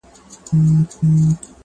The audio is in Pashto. ځئ چي باطل پسي د عدل زولنې و باسو,